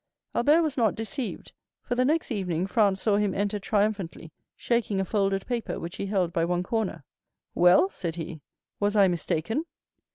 Albert was not deceived, for the next evening Franz saw him enter triumphantly shaking a folded paper which he held by one corner. "Well," said he, "was I mistaken?"